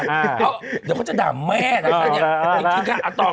เดี๋ยวเขาจะด่าแม่นะคะที่วันปีใหม่